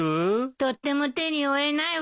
とっても手に負えないわ。